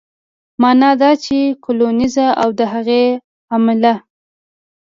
معنا دا چې کولینز او د هغې عمله